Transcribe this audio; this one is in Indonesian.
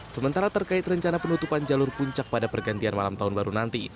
sementara terkait rencana penutupan jalur puncak pada pergantian malam tahun baru nanti